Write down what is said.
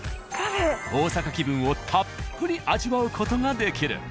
大阪気分をたっぷり味わう事ができる。